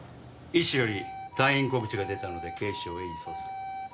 医師より退院告知が出たので警視庁へ移送する。